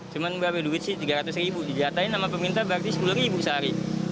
cuma berapa duit sih tiga ratus ribu dijatain sama pemerintah berarti sepuluh ribu sehari